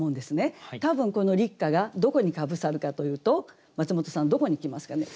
多分この「立夏」がどこにかぶさるかというとマツモトさんどこに来ますかね？